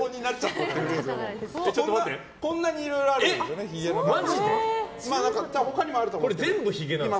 こんなにいろいろあるんですひげという字。